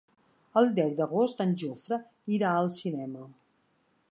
El deu d'agost en Jofre irà al cinema.